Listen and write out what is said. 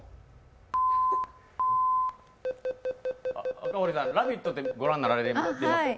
赤堀さん、「ラヴィット！」ってご覧になったことは？